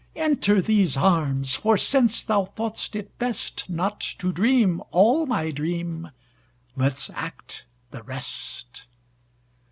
Enter these arms, for since thou thought'st it bestNot to dream all my dream, let's act the rest.